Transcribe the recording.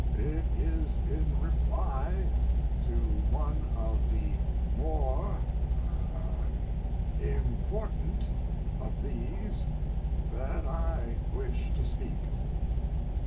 It is in reply to one of the more er impor tant of these that I wish to speak.